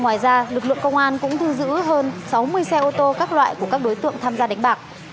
ngoài ra lực lượng công an cũng thu giữ hơn sáu mươi xe ô tô các loại của các đối tượng tham gia đánh bạc